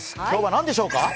今日はなんでしょうか？